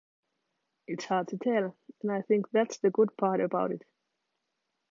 It's hard to tell, and I think that's the good part about it.